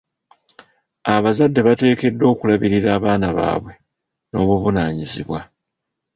Abazadde bateekeddwa okulabirira abaana baabwe n'obuvunaanyizibwa..